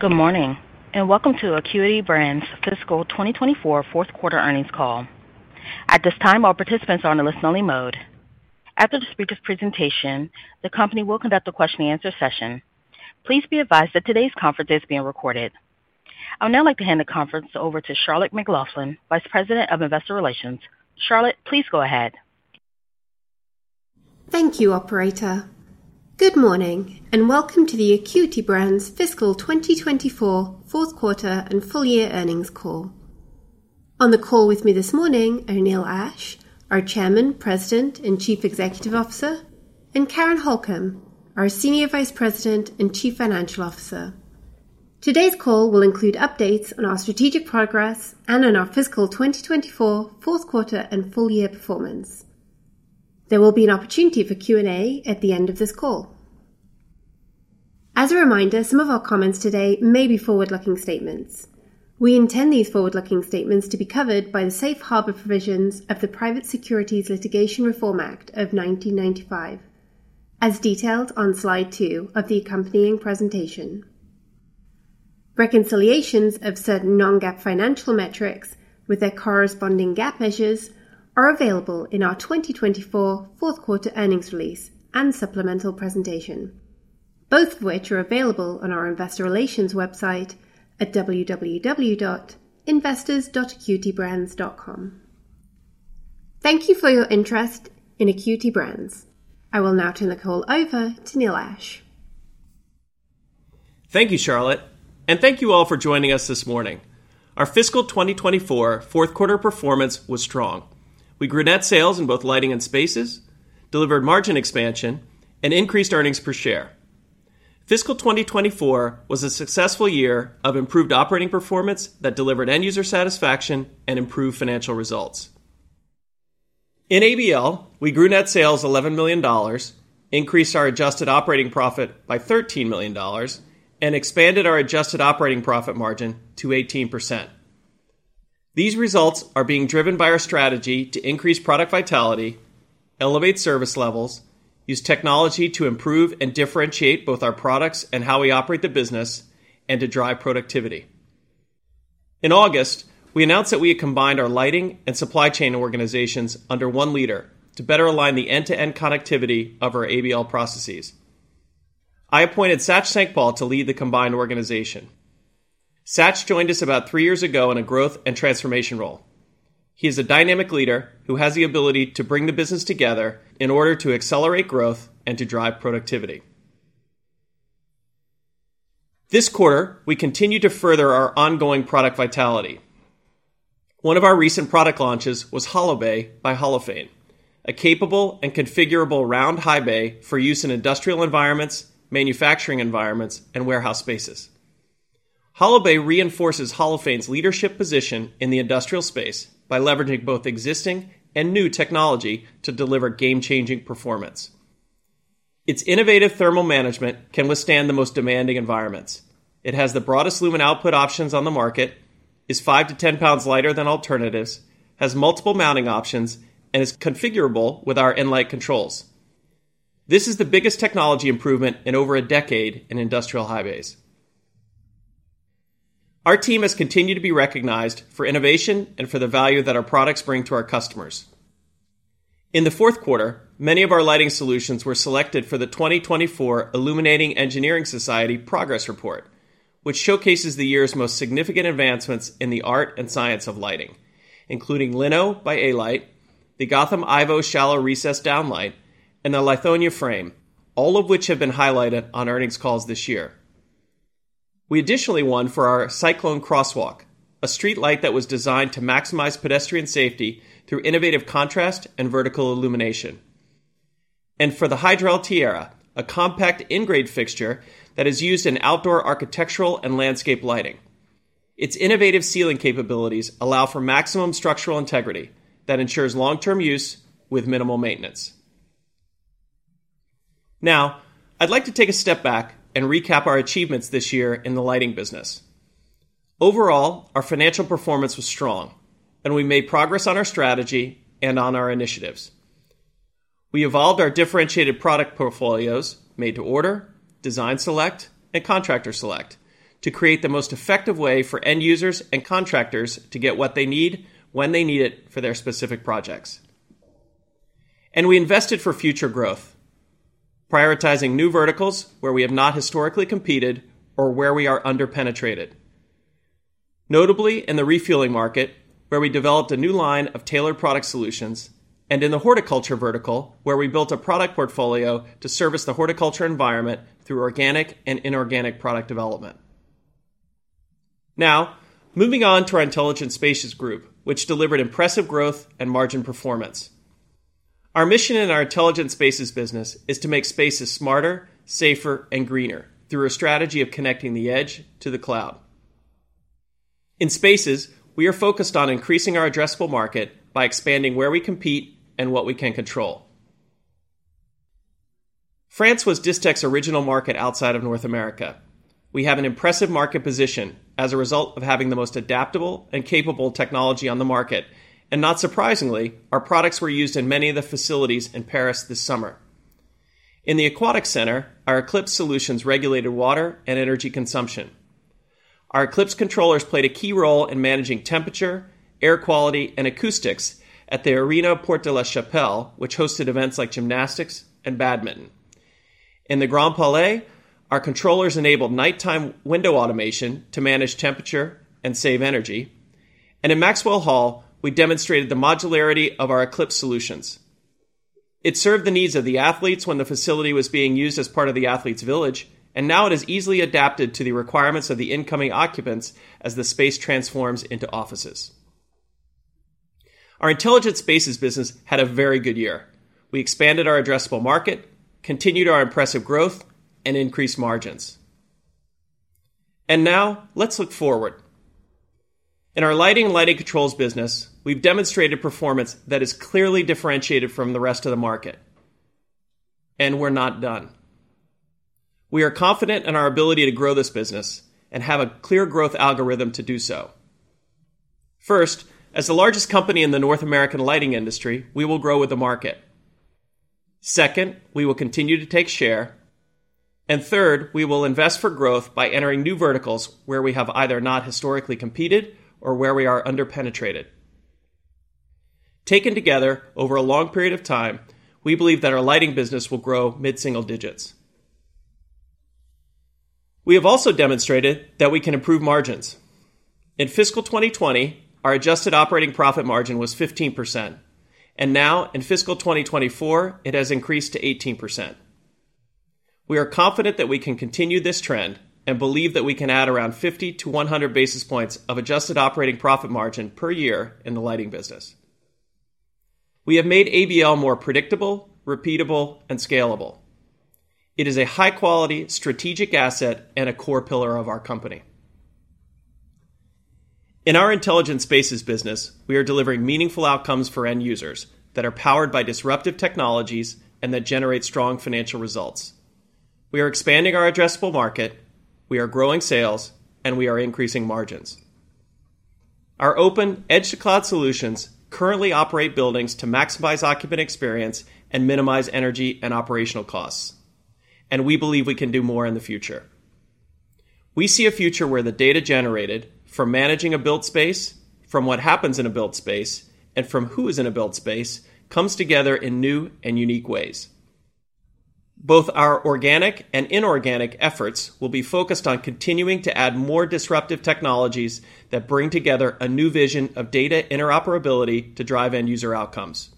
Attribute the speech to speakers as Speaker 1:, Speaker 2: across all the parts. Speaker 1: Good morning, and Welcome to Acuity Brands' Fiscal 2024 Q4 Earnings Call. At this time, all participants are on a listen-only mode. After the speaker's presentation, the company will conduct a question-and-answer session. Please be advised that today's conference is being recorded. I would now like to hand the conference over to Charlotte McLaughlin, Vice President of Investor Relations. Charlotte, please go ahead.
Speaker 2: Thank you, operator. Good morning, and Welcome to the Acuity Brands Fiscal 2024 Q4 and Full Year Earnings Call. On the call with me this morning are Neil Ashe, our Chairman, President, and Chief Executive Officer, and Karen Holcomb, our Senior Vice President and Chief Financial Officer. Today's call will include updates on our strategic progress and on our fiscal 2024 Q4 and full year performance. There will be an opportunity for Q&A at the end of this call. As a reminder, some of our comments today may be forward-looking statements. We intend these forward-looking statements to be covered by the safe harbor provisions of the Private Securities Litigation Reform Act of 1995, as detailed on slide two of the accompanying presentation. Reconciliations of certain non-GAAP financial metrics with their corresponding GAAP measures are available in our 2024 Q4 earnings release and supplemental presentation, both of which are available on our investor relations website at www.investors.acuitybrands.com. Thank you for your interest in Acuity Brands. I will now turn the call over to Neil Ashe.
Speaker 3: Thank you, Charlotte, and thank you all for joining us this morning. Our fiscal 2024 Q4 performance was strong. We grew net sales in both lighting and spaces, delivered margin expansion, and increased earnings per share. Fiscal 2024 was a successful year of improved operating performance that delivered end-user satisfaction and improved financial results. In ABL, we grew net sales $11 million, increased our adjusted operating profit by $13 million, and expanded our adjusted operating profit margin to 18%. These results are being driven by our strategy to increase product vitality, elevate service levels, use technology to improve and differentiate both our products and how we operate the business, and to drive productivity. In August, we announced that we had combined our lighting and supply chain organizations under one leader to better align the end-to-end connectivity of our ABL processes. I appointed Sach Sankpal to lead the combined organization. Sach joined us about three years ago in a growth and transformation role. He is a dynamic leader who has the ability to bring the business together in order to accelerate growth and to drive productivity. This quarter, we continued to further our ongoing product vitality. One of our recent product launches was HoloBay by Holophane, a capable and configurable round high bay for use in industrial environments, manufacturing environments, and warehouse spaces. HoloBay reinforces Holophane's leadership position in the industrial space by leveraging both existing and new technology to deliver game-changing performance. Its innovative thermal management can withstand the most demanding environments. It has the broadest lumen output options on the market, is five to ten pounds lighter than alternatives, has multiple mounting options, and is configurable with our nLight controls. This is the biggest technology improvement in over a decade in industrial high bays. Our team has continued to be recognized for innovation and for the value that our products bring to our customers. In the Q4, many of our lighting solutions were selected for the 2024 Illuminating Engineering Society Progress Report, which showcases the year's most significant advancements in the art and science of lighting, including Lino by A-Light, the Gotham IVO Shallow Recess Downlight, and the Lithonia Frame, all of which have been highlighted on earnings calls this year. We additionally won for our Cyclone Crosswalk, a streetlight that was designed to maximize pedestrian safety through innovative contrast and vertical illumination, and for the Hydrel Tierra, a compact in-grade fixture that is used in outdoor architectural and landscape lighting. Its innovative sealing capabilities allow for maximum structural integrity that ensures long-term use with minimal maintenance. Now, I'd like to take a step back and recap our achievements this year in the lighting business. Overall, our financial performance was strong, and we made progress on our strategy and on our initiatives. We evolved our differentiated product portfolios, Made-to-Order, Design Select, and Contractor Select, to create the most effective way for end users and contractors to get what they need, when they need it for their specific projects, and we invested for future growth, prioritizing new verticals where we have not historically competed or where we are under-penetrated. Notably, in the refueling market, where we developed a new line of tailored product solutions, and in the horticulture vertical, where we built a product portfolio to service the horticulture environment through organic and inorganic product development. Now, moving on to our Intelligent Spaces Group, which delivered impressive growth and margin performance. Our mission in our Intelligent Spaces business is to make spaces smarter, safer, and greener through a strategy of connecting the edge to the cloud. In Spaces, we are focused on increasing our addressable market by expanding where we compete and what we can control. France was Distech's original market outside of North America. We have an impressive market position as a result of having the most adaptable and capable technology on the market, and not surprisingly, our products were used in many of the facilities in Paris this summer. In the Aquatic Center, our ECLYPSE Solutions regulated water and energy consumption. Our ECLYPSE controllers played a key role in managing temperature, air quality, and acoustics at the Arena Porte de la Chapelle, which hosted events like gymnastics and badminton. In the Grand Palais, our controllers enabled nighttime window automation to manage temperature and save energy. In Maxwell Hall, we demonstrated the modularity of our ECLYPSE Solutions. It served the needs of the athletes when the facility was being used as part of the Athletes' Village, and now it is easily adapted to the requirements of the incoming occupants as the space transforms into offices. Our Intelligent Spaces business had a very good year. We expanded our addressable market, continued our impressive growth, and increased margins. Now, let's look forward. In our lighting and lighting controls business, we've demonstrated performance that is clearly differentiated from the rest of the market, and we're not done. We are confident in our ability to grow this business and have a clear growth algorithm to do so. First, as the largest company in the North American lighting industry, we will grow with the market. Second, we will continue to take share. And third, we will invest for growth by entering new verticals where we have either not historically competed or where we are under-penetrated. Taken together, over a long period of time, we believe that our lighting business will grow mid-single digits. We have also demonstrated that we can improve margins. In fiscal 2020, our adjusted operating profit margin was 15%, and now in fiscal 2024, it has increased to 18%. We are confident that we can continue this trend and believe that we can add around 50 to 100 basis points of adjusted operating profit margin per year in the lighting business. We have made ABL more predictable, repeatable, and scalable. It is a high-quality, strategic asset and a core pillar of our company. In our Intelligent Spaces business, we are delivering meaningful outcomes for end users that are powered by disruptive technologies and that generate strong financial results. We are expanding our addressable market, we are growing sales, and we are increasing margins. Our open edge-to-cloud solutions currently operate buildings to maximize occupant experience and minimize energy and operational costs, and we believe we can do more in the future. We see a future where the data generated from managing a built space, from what happens in a built space, and from who is in a built space, comes together in new and unique ways. Both our organic and inorganic efforts will be focused on continuing to add more disruptive technologies that bring together a new vision of data interoperability to drive end-user outcomes.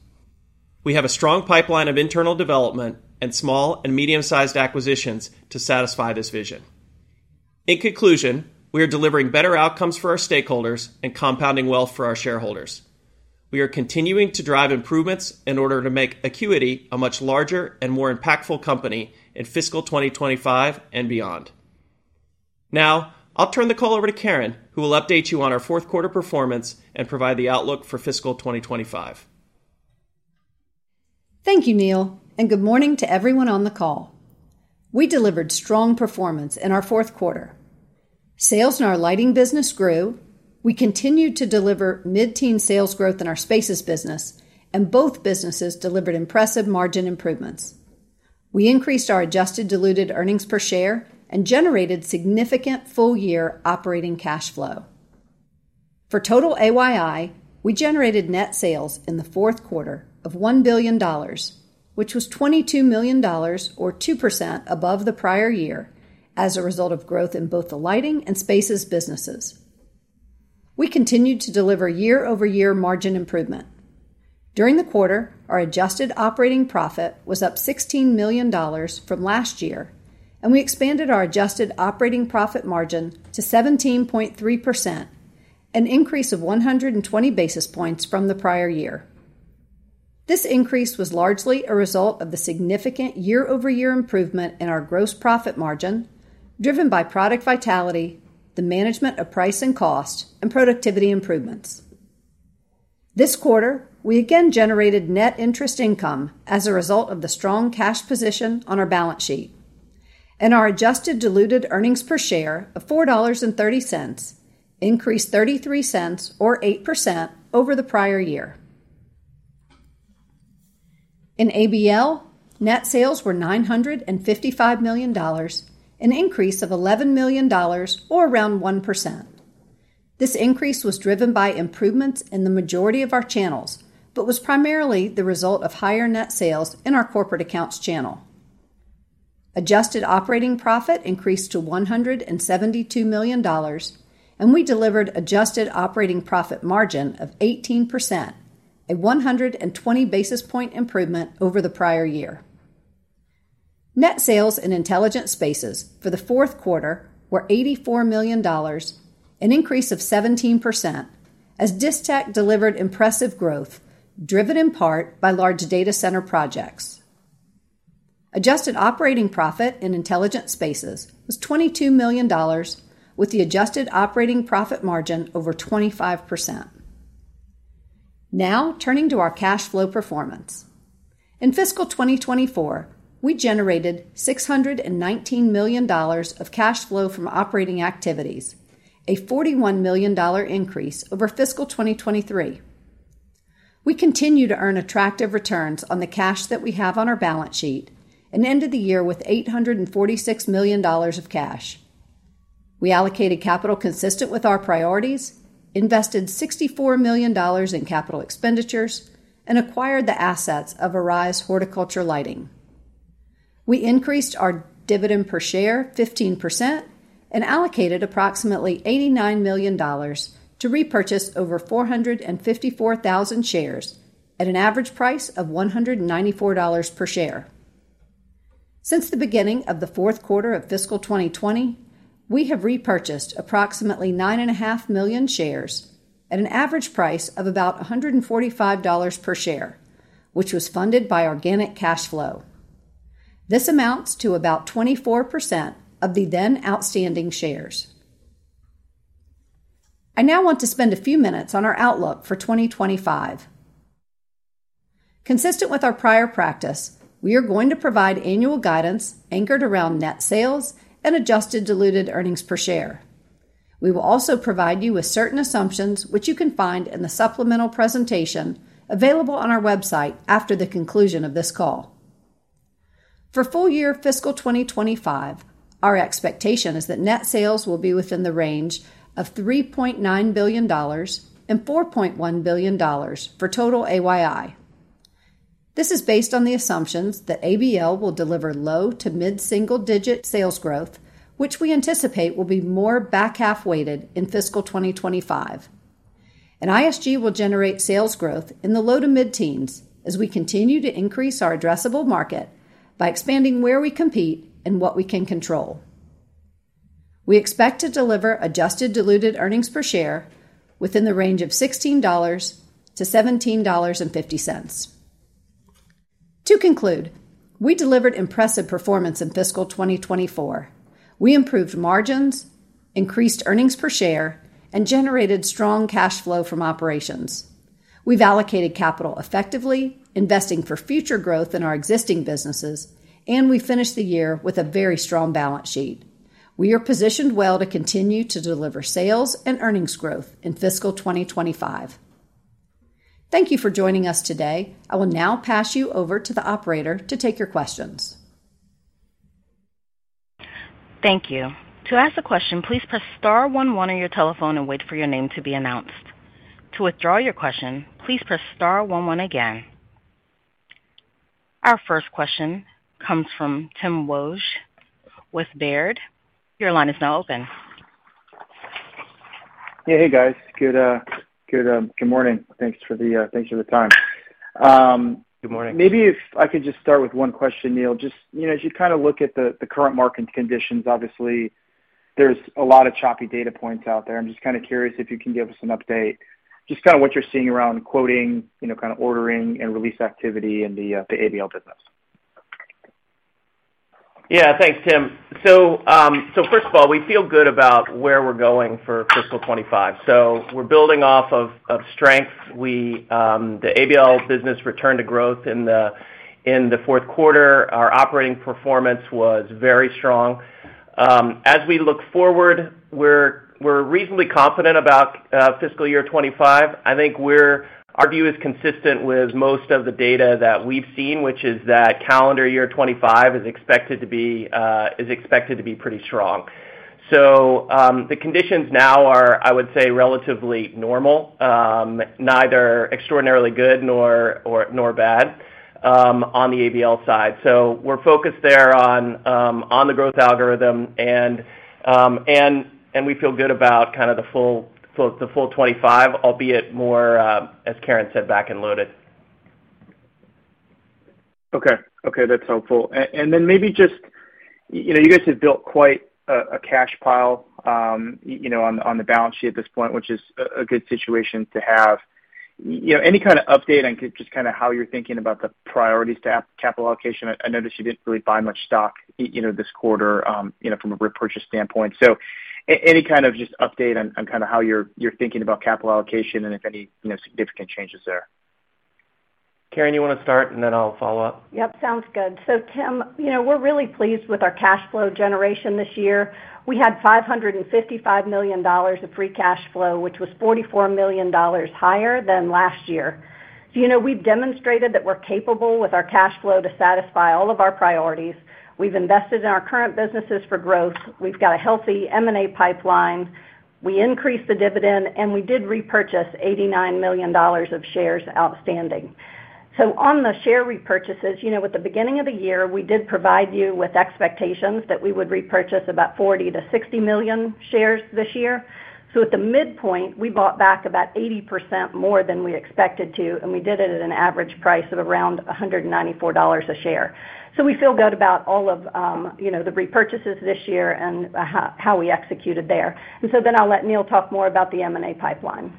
Speaker 3: We have a strong pipeline of internal development and small and medium-sized acquisitions to satisfy this vision. In conclusion, we are delivering better outcomes for our stakeholders and compounding wealth for our shareholders. We are continuing to drive improvements in order to make Acuity a much larger and more impactful company in fiscal 2025 and beyond. Now, I'll turn the call over to Karen, who will update you on our Q4 performance and provide the outlook for fiscal 2025.
Speaker 4: Thank you, Neil, and good morning to everyone on the call. We delivered strong performance in our Q4. Sales in our lighting business grew. We continued to deliver mid-teen sales growth in our Spaces business, and both businesses delivered impressive margin improvements. We increased our adjusted diluted earnings per share and generated significant full-year operating cash flow. For total AYI, we generated net sales in the Q4 of $1 billion, which was $22 million or 2% above the prior year as a result of growth in both the Lighting and Spaces businesses. We continued to deliver year-over-year margin improvement. During the quarter, our adjusted operating profit was up $16 million from last year, and we expanded our adjusted operating profit margin to 17.3%, an increase of 120 basis points from the prior year. This increase was largely a result of the significant year-over-year improvement in our gross profit margin, driven by product vitality, the management of price and cost, and productivity improvements. This quarter, we again generated net interest income as a result of the strong cash position on our balance sheet, and our Adjusted Diluted Earnings Per Share of $4.30 increased $0.33 or 8% over the prior year. In ABL, net sales were $955 million, an increase of $11 million or around 1%. This increase was driven by improvements in the majority of our channels but was primarily the result of higher net sales in our corporate accounts channel. Adjusted operating profit increased to $172 million, and we delivered adjusted operating profit margin of 18%, a 120 basis point improvement over the prior year. Net sales in Intelligent Spaces for the Q4 were $84 million, an increase of 17%, as Distech delivered impressive growth, driven in part by large data center projects. Adjusted operating profit in Intelligent Spaces was $22 million, with the adjusted operating profit margin over 25%. Now, turning to our cash flow performance. In fiscal 2024, we generated $619 million of cash flow from operating activities, a $41 million increase over fiscal 2023. We continue to earn attractive returns on the cash that we have on our balance sheet, and ended the year with $846 million of cash. We allocated capital consistent with our priorities, invested $64 million in capital expenditures, and acquired the assets of Arize Horticulture Lighting. We increased our dividend per share 15% and allocated approximately $89 million to repurchase over 454,000 shares at an average price of $194 per share. Since the beginning of the Q4 of fiscal 2020, we have repurchased approximately 9.5 million shares at an average price of about $145 per share, which was funded by organic cash flow. This amounts to about 24% of the then outstanding shares. I now want to spend a few minutes on our outlook for 2025. Consistent with our prior practice, we are going to provide annual guidance anchored around net sales and adjusted diluted earnings per share. We will also provide you with certain assumptions, which you can find in the supplemental presentation available on our website after the conclusion of this call. For full year fiscal 2025, our expectation is that net sales will be within the range of $3.9 billion-$4.1 billion for total AYI. This is based on the assumptions that ABL will deliver low- to mid-single-digit sales growth, which we anticipate will be more back-half weighted in fiscal 2025, and ISG will generate sales growth in the low- to mid-teens as we continue to increase our addressable market by expanding where we compete and what we can control. We expect to deliver adjusted diluted earnings per share within the range of $16-$17.50. To conclude, we delivered impressive performance in fiscal 2024. We improved margins, increased earnings per share, and generated strong cash flow from operations. We've allocated capital effectively, investing for future growth in our existing businesses, and we finished the year with a very strong balance sheet. We are positioned well to continue to deliver sales and earnings growth in fiscal 2025. Thank you for joining us today. I will now pass you over to the operator to take your questions.
Speaker 1: Thank you. To ask a question, please press star one one on your telephone and wait for your name to be announced. To withdraw your question, please press star one one again. Our first question comes from Tim Wojs with Baird. Your line is now open.
Speaker 5: Hey, guys. Good morning. Thanks for the time.
Speaker 3: Good morning.
Speaker 5: Maybe if I could just start with one question, Neil. Just, you know, as you kind of look at the, the current market conditions, obviously there's a lot of choppy data points out there. I'm just kind of curious if you can give us an update, just kind of what you're seeing around quoting, you know, kind of ordering and release activity in the ABL business.
Speaker 3: Yeah, thanks, Tim. So first of all, we feel good about where we're going for fiscal 2025. So we're building off of strength. We, the ABL business returned to growth in the Q4. Our operating performance was very strong. As we look forward, we're reasonably confident about fiscal year 2025. I think our view is consistent with most of the data that we've seen, which is that calendar year 2025 is expected to be pretty strong. So the conditions now are, I would say, relatively normal, neither extraordinarily good nor bad, on the ABL side. So we're focused there on the growth algorithm, and we feel good about kind of the full 2025, albeit more, as Karen said, back and loaded.
Speaker 5: Okay. Okay, that's helpful. And then maybe just, you know, you guys have built quite a cash pile, you know, on the balance sheet at this point, which is a good situation to have. You know, any kind of update on just kind of how you're thinking about the priorities to capital allocation? I noticed you didn't really buy much stock, you know, this quarter, you know, from a repurchase standpoint. So any kind of just update on kind of how you're thinking about capital allocation and if any, you know, significant changes there.
Speaker 3: Karen, you want to start and then I'll follow up?
Speaker 4: Yep, sounds good. So Tim, you know, we're really pleased with our cash flow generation this year. We had $555 million of free cash flow, which was $44 million higher than last year. So, you know, we've demonstrated that we're capable with our cash flow to satisfy all of our priorities. We've invested in our current businesses for growth. We've got a healthy M&A pipeline. We increased the dividend, and we did repurchase $89 million of shares outstanding. So on the share repurchases, you know, at the beginning of the year, we did provide you with expectations that we would repurchase about 40-60 million shares this year. So at the midpoint, we bought back about 80% more than we expected to, and we did it at an average price of around $194 a share. So we feel good about all of, you know, the repurchases this year and how we executed there. And so then I'll let Neil talk more about the M&A pipeline.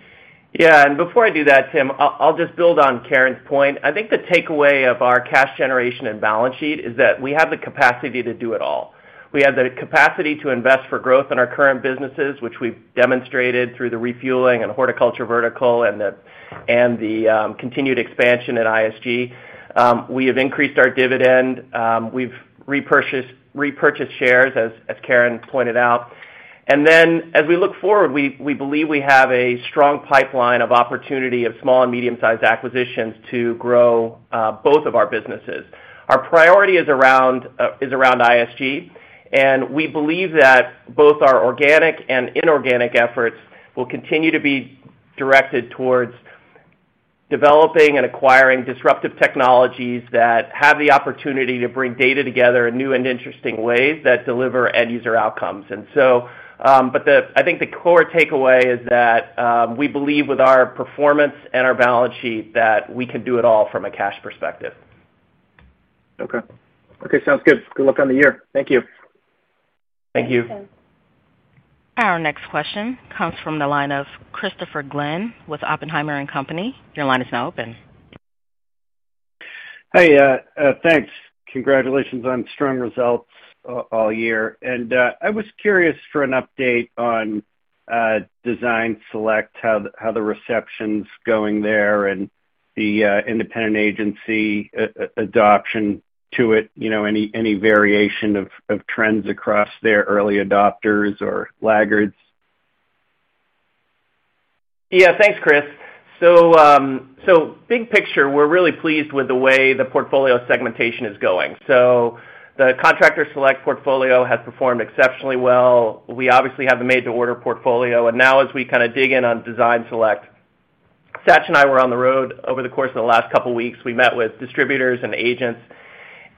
Speaker 3: Yeah, and before I do that, Tim, I'll just build on Karen's point. I think the takeaway of our cash generation and balance sheet is that we have the capacity to do it all. We have the capacity to invest for growth in our current businesses, which we've demonstrated through the refueling and horticulture vertical and the continued expansion at ISG. We have increased our dividend. We've repurchased shares, as Karen pointed out. Then as we look forward, we believe we have a strong pipeline of opportunity of small and medium-sized acquisitions to grow both of our businesses. Our priority is around ISG, and we believe that both our organic and inorganic efforts will continue to be directed towards developing and acquiring disruptive technologies that have the opportunity to bring data together in new and interesting ways that deliver end user outcomes. And so, but I think the core takeaway is that we believe with our performance and our balance sheet, that we can do it all from a cash perspective.
Speaker 5: Okay. Okay, sounds good. Good luck on the year. Thank you.
Speaker 3: Thank you.
Speaker 1: Our next question comes from the line of Christopher Glynn with Oppenheimer and Company. Your line is now open.
Speaker 6: Hey, thanks. Congratulations on strong results all year. And, I was curious for an update on Design Select, how the reception's going there and the independent agency adoption to it, you know, any variation of trends across their early adopters or laggards?
Speaker 3: Yeah, thanks, Chris. So big picture, we're really pleased with the way the portfolio segmentation is going. So the Contractor Select portfolio has performed exceptionally well. We obviously have the Made to Order portfolio, and now as we kind of dig in on Design Select, Sach and I were on the road over the course of the last couple of weeks. We met with distributors and agents,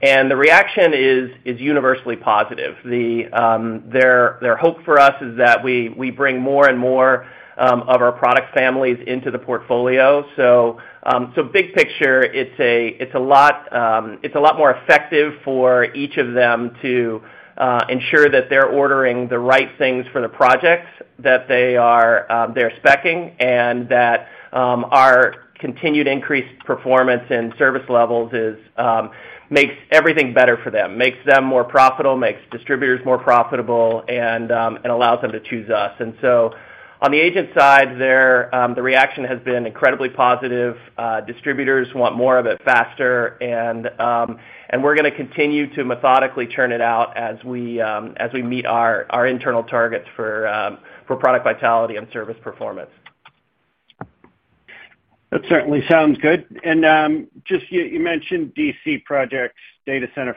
Speaker 3: and the reaction is universally positive. Their hope for us is that we bring more and more of our product families into the portfolio. So big picture, it's a lot more effective for each of them to ensure that they're ordering the right things for the projects that they're specing, and that our continued increased performance and service levels is makes everything better for them, makes them more profitable, makes distributors more profitable, and allows them to choose us. And so on the agent side, the reaction has been incredibly positive. Distributors want more of it faster, and we're gonna continue to methodically churn it out as we meet our internal targets for product vitality and service performance.
Speaker 6: That certainly sounds good. And just you mentioned data center projects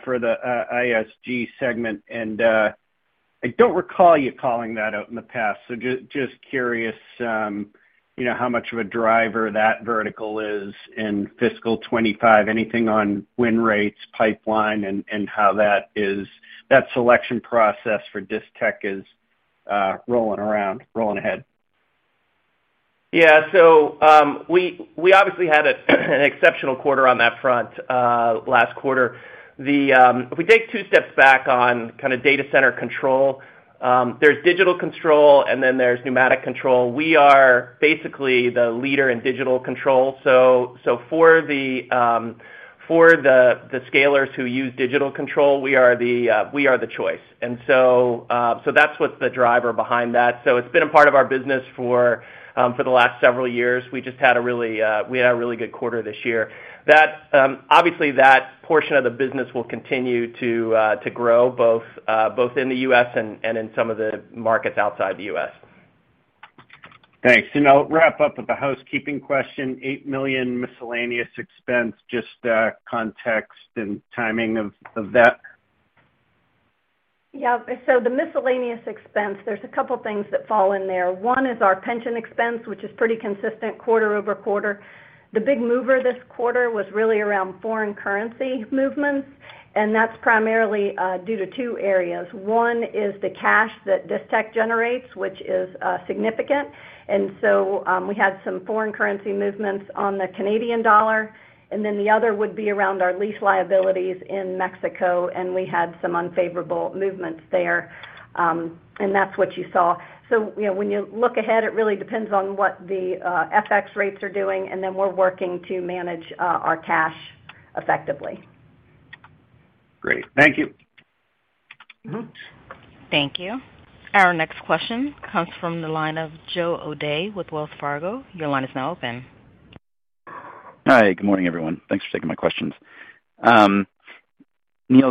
Speaker 6: for the ISG segment, and I don't recall you calling that out in the past. So just curious, you know, how much of a driver that vertical is in fiscal 2025. Anything on win rates, pipeline, and how that selection process for Distech is rolling ahead?
Speaker 3: Yeah. So, we obviously had an exceptional quarter on that front last quarter. If we take two steps back on kind of data center control, there's digital control, and then there's pneumatic control. We are basically the leader in digital control. So, for the scalers who use digital control, we are the choice. And so, that's what's the driver behind that. So it's been a part of our business for the last several years. We just had a really good quarter this year. That portion of the business will continue to grow, both in the US and in some of the markets outside the US.
Speaker 6: Thanks. And I'll wrap up with a housekeeping question. $8 million miscellaneous expense, just context and timing of that.
Speaker 4: Yeah. So the miscellaneous expense, there's a couple things that fall in there. One is our pension expense, which is pretty consistent quarter over quarter. The big mover this quarter was really around foreign currency movements, and that's primarily due to two areas. One is the cash that Distech generates, which is significant. And so, we had some foreign currency movements on the Canadian dollar, and then the other would be around our lease liabilities in Mexico, and we had some unfavorable movements there, and that's what you saw. So, you know, when you look ahead, it really depends on what the FX rates are doing, and then we're working to manage our cash effectively.
Speaker 6: Great. Thank you.
Speaker 1: Thank you. Our next question comes from the line of Joe O'Dea with Wells Fargo. Your line is now open.
Speaker 7: Hi, good morning, everyone. Thanks for taking my questions. Neil,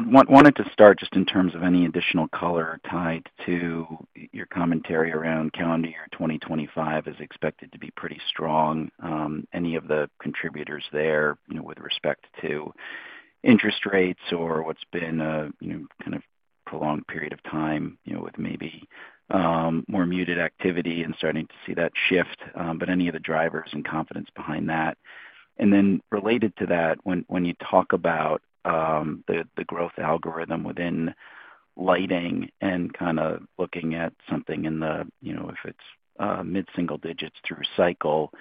Speaker 7: wanted to start just in terms of any additional color tied to your commentary around calendar year 2025 is expected to be pretty strong. Any of the contributors there, you know, with respect to interest rates or what's been a, you know, kind of prolonged period of time, you know, with maybe, more muted activity and starting to see that shift, but any of the drivers and confidence behind that? And then related to that, when you talk about the growth algorithm within lighting and kind of looking at something in the, you know, if it's mid-single digits through cycle,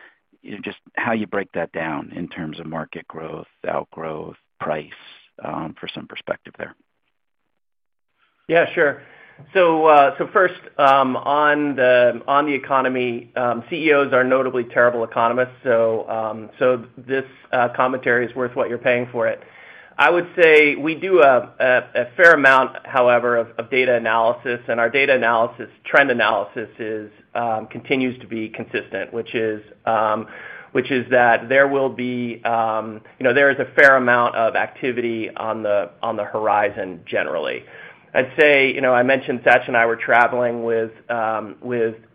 Speaker 7: you know, just how you break that down in terms of market growth, outgrowth, price, for some perspective there.
Speaker 3: Yeah, sure. So first, on the economy, CEOs are notably terrible economists, so this commentary is worth what you're paying for it. I would say we do a fair amount, however, of data analysis, and our data analysis, trend analysis is continues to be consistent, which is, which is that there will be, you know, there is a fair amount of activity on the horizon generally. I'd say, you know, I mentioned Sach and I were traveling with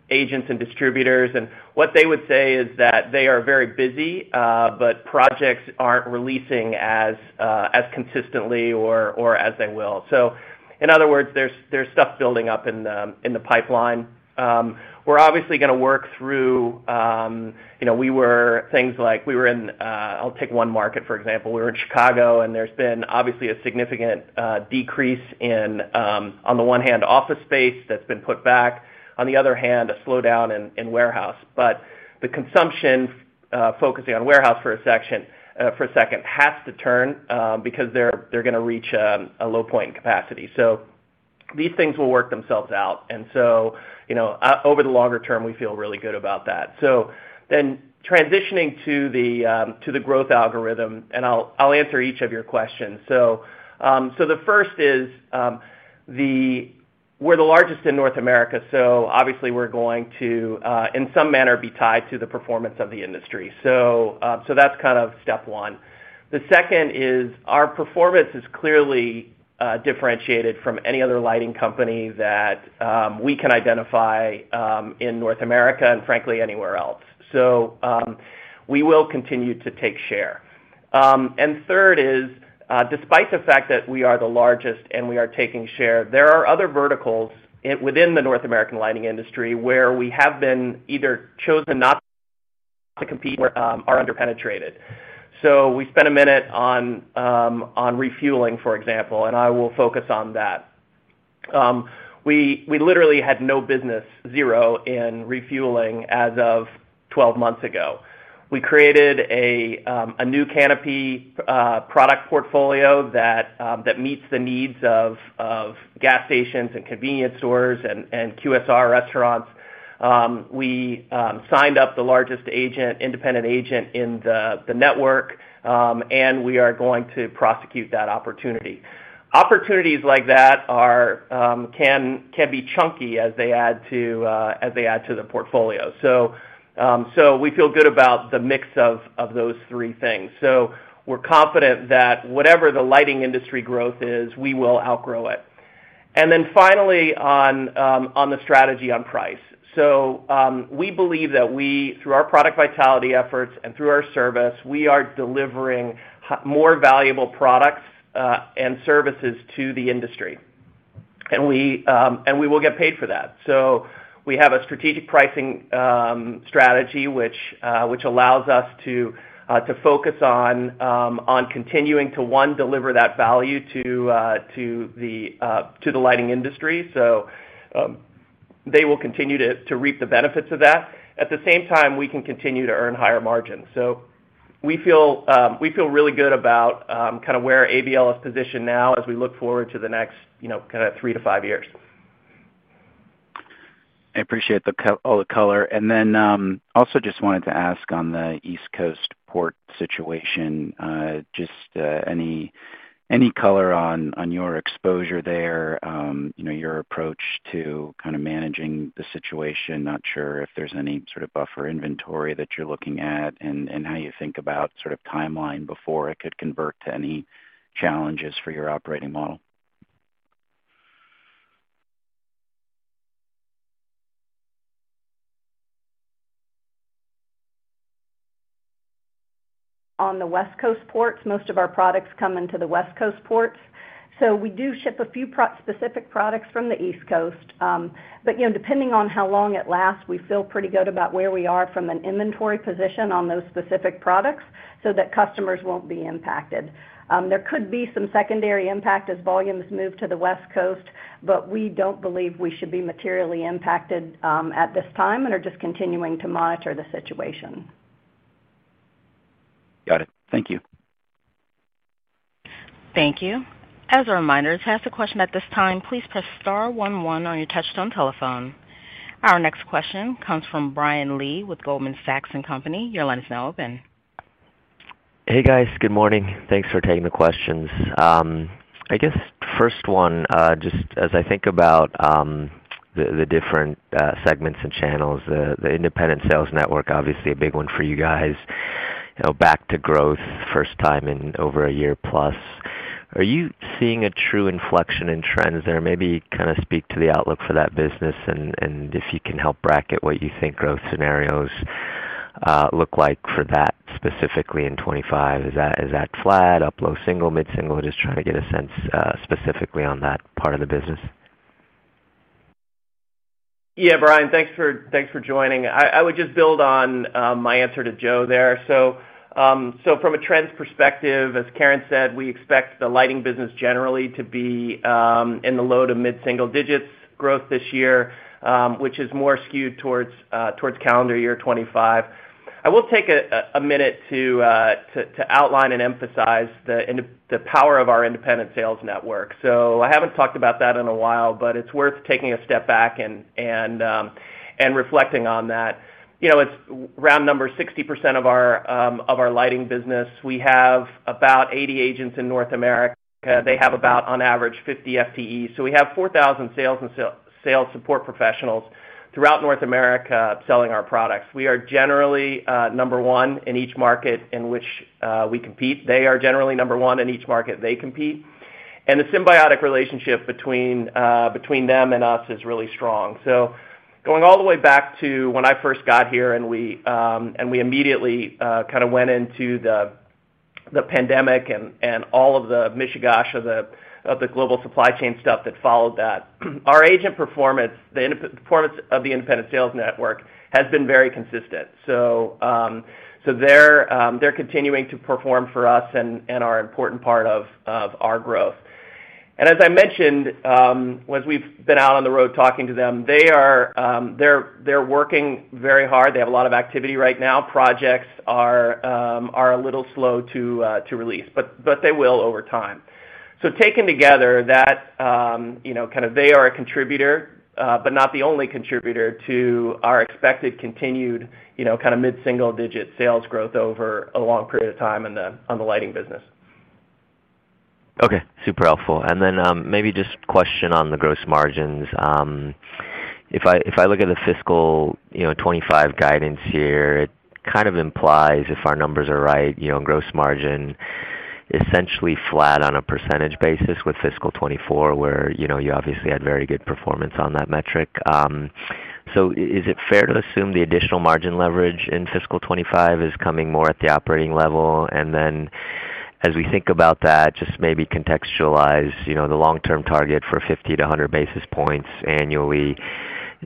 Speaker 3: agents and distributors, and what they would say is that they are very busy, but projects aren't releasing as consistently or as they will. So in other words, there's stuff building up in the pipeline. We're obviously gonna work through, you know, things like we were in. I'll take one market, for example, we were in Chicago, and there's been obviously a significant decrease in, on the one hand, office space that's been put back, on the other hand, a slowdown in warehouse, but the consumption, focusing on warehouse for a section, for a second, has to turn because they're gonna reach a low point in capacity. So these things will work themselves out, and so, you know, over the longer term, we feel really good about that. So then transitioning to the growth algorithm, and I'll answer each of your questions. The first is, we're the largest in North America, so obviously we're going to, in some manner, be tied to the performance of the industry. That's kind of step one. The second is our performance is clearly differentiated from any other lighting company that we can identify in North America and frankly, anywhere else. We will continue to take share. And third is, despite the fact that we are the largest and we are taking share, there are other verticals within the North American lighting industry, where we have been either chosen not to compete with, are underpenetrated. We spent a minute on refueling, for example, and I will focus on that. We literally had no business, zero, in refueling as of twelve months ago. We created a new canopy product portfolio that meets the needs of gas stations and convenience stores and QSR restaurants. We signed up the largest independent agent in the network, and we are going to prosecute that opportunity. Opportunities like that can be chunky as they add to the portfolio. So we feel good about the mix of those three things. So we're confident that whatever the lighting industry growth is, we will outgrow it. And then finally, on the strategy on price. So we believe that we, through our product vitality efforts and through our service, we are delivering more valuable products and services to the industry, and we will get paid for that. We have a strategic pricing strategy, which allows us to focus on continuing to want to deliver that value to the lighting industry. So they will continue to reap the benefits of that. At the same time, we can continue to earn higher margins. So we feel really good about kind of where ABL is positioned now as we look forward to the next, you know, kind of three to five years.
Speaker 7: I appreciate all the color. And then, also just wanted to ask on the East Coast port situation, just any color on your exposure there, you know, your approach to kind of managing the situation? Not sure if there's any sort of buffer inventory that you're looking at, and how you think about sort of timeline before it could convert to any challenges for your operating model.
Speaker 4: On the West Coast ports, most of our products come into the West Coast ports. So we do ship a few product-specific products from the East Coast. But, you know, depending on how long it lasts, we feel pretty good about where we are from an inventory position on those specific products, so that customers won't be impacted. There could be some secondary impact as volumes move to the West Coast, but we don't believe we should be materially impacted, at this time, and are just continuing to monitor the situation.
Speaker 7: Got it. Thank you.
Speaker 1: Thank you. As a reminder, to ask a question at this time, please press star one one on your touch-tone telephone. Our next question comes from Brian Lee with Goldman Sachs and Company. Your line is now open.
Speaker 8: Hey, guys. Good morning. Thanks for taking the questions. I guess first one, just as I think about the different segments and channels, the independent sales network, obviously a big one for you guys. You know, back to growth, first time in over a year plus. Are you seeing a true inflection in trends there? Maybe kind of speak to the outlook for that business and if you can help bracket what you think growth scenarios look like for that, specifically in 2025. Is that flat, up, low single, mid-single? Just trying to get a sense, specifically on that part of the business.
Speaker 3: Yeah, Brian, thanks for joining. I would just build on my answer to Joe there. From a trends perspective, as Karen said, we expect the lighting business generally to be in the low to mid-single digits growth this year, which is more skewed towards calendar year 2025. I will take a minute to outline and emphasize the power of our independent sales network. I haven't talked about that in a while, but it's worth taking a step back and reflecting on that. You know, it's round number 60% of our lighting business. We have about 80 agents in North America. They have about, on average, 50 FTEs. So we have 4,000 sales and sales support professionals throughout North America selling our products. We are generally number one in each market in which we compete. They are generally number one in each market they compete. The symbiotic relationship between them and us is really strong. Going all the way back to when I first got here, and we immediately kind of went into the pandemic and all of the mishigas of the global supply chain stuff that followed that. Our agent performance, the performance of the independent sales network has been very consistent. They're continuing to perform for us and are important part of our growth. As I mentioned, as we've been out on the road talking to them, they are, they're working very hard. They have a lot of activity right now. Projects are a little slow to release, but they will over time. So taken together, that, you know, kind of they are a contributor, but not the only contributor to our expected continued, you know, kind of mid-single-digit sales growth over a long period of time on the lighting business.
Speaker 8: Okay, super helpful. And then, maybe just question on the gross margins. If I, if I look at the fiscal 2025 guidance here, it kind of implies, if our numbers are right, you know, gross margin essentially flat on a percentage basis with fiscal 2024, where, you know, you obviously had very good performance on that metric. So is it fair to assume the additional margin leverage in fiscal 2025 is coming more at the operating level? And then, as we think about that, just maybe contextualize, you know, the long-term target for 50 to 100 basis points annually.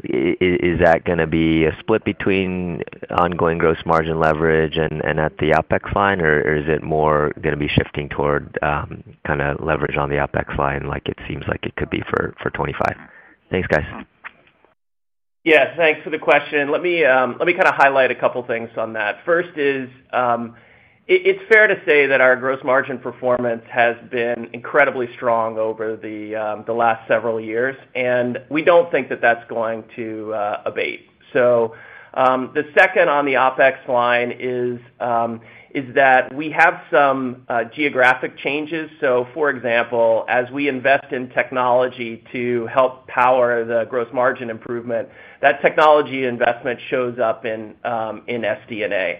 Speaker 8: Is that gonna be a split between ongoing gross margin leverage and at the OpEx line, or is it more gonna be shifting toward kind of leverage on the OpEx line, like it seems like it could be for 2025? Thanks, guys.
Speaker 3: Yeah, thanks for the question. Let me kind of highlight a couple things on that. First is, it's fair to say that our gross margin performance has been incredibly strong over the last several years, and we don't think that that's going to abate. So, the second on the OpEx line is that we have some geographic changes. So for example, as we invest in technology to help power the gross margin improvement, that technology investment shows up in SG&A.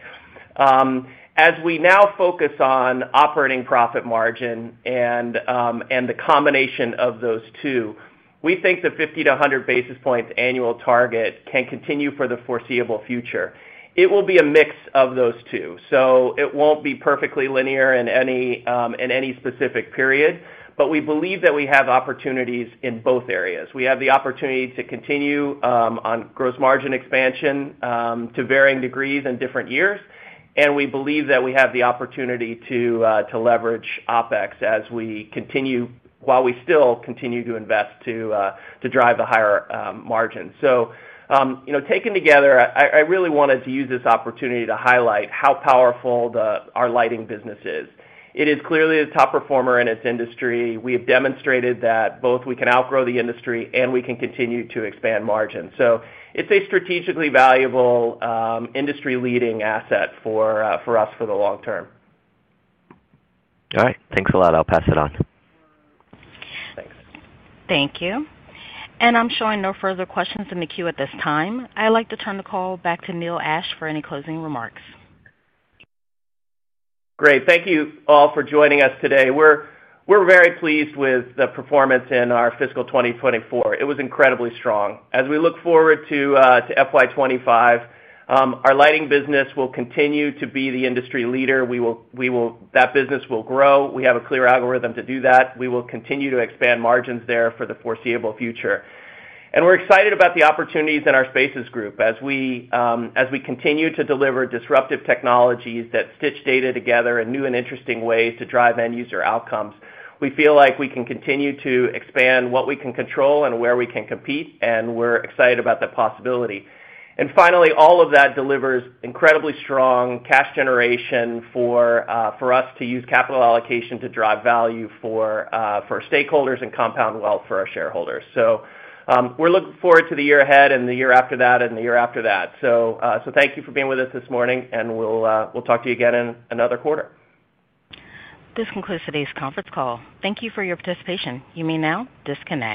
Speaker 3: As we now focus on operating profit margin and the combination of those two, we think the 50 to 100 basis points annual target can continue for the foreseeable future. It will be a mix of those two, so it won't be perfectly linear in any specific period, but we believe that we have opportunities in both areas. We have the opportunity to continue on gross margin expansion to varying degrees in different years, and we believe that we have the opportunity to leverage OpEx as we continue while we still continue to invest to drive the higher margins. So you know, taken together, I really wanted to use this opportunity to highlight how powerful our lighting business is. It is clearly a top performer in its industry. We have demonstrated that both we can outgrow the industry and we can continue to expand margins. So it's a strategically valuable industry-leading asset for us for the long term.
Speaker 8: All right. Thanks a lot. I'll pass it on.
Speaker 1: Thank you, and I'm showing no further questions in the queue at this time. I'd like to turn the call back to Neil Ashe for any closing remarks.
Speaker 3: Great. Thank you all for joining us today. We're very pleased with the performance in our fiscal 2024. It was incredibly strong. As we look forward to FY 2025, our lighting business will continue to be the industry leader. That business will grow. We have a clear algorithm to do that. We will continue to expand margins there for the foreseeable future, and we're excited about the opportunities in our Spaces group as we continue to deliver disruptive technologies that stitch data together in new and interesting ways to drive end user outcomes. We feel like we can continue to expand what we can control and where we can compete, and we're excited about that possibility. And finally, all of that delivers incredibly strong cash generation for us to use capital allocation to drive value for stakeholders and compound wealth for our shareholders. So, we're looking forward to the year ahead and the year after that and the year after that. So thank you for being with us this morning, and we'll talk to you again in another quarter.
Speaker 1: This concludes today's conference call. Thank you for your participation. You may now disconnect.